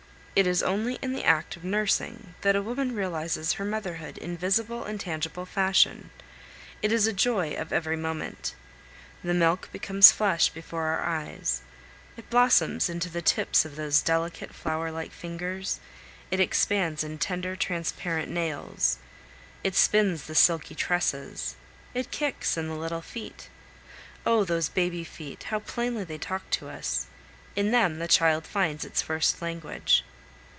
It is only in the act of nursing that a woman realizes her motherhood in visible and tangible fashion; it is a joy of every moment. The milk becomes flesh before our eyes; it blossoms into the tips of those delicate flower like fingers; it expands in tender, transparent nails; it spins the silky tresses; it kicks in the little feet. Oh! those baby feet, how plainly they talk to us! In them the child finds its first language.